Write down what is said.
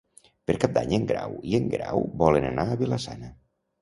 Per Cap d'Any en Grau i en Guerau volen anar a Vila-sana.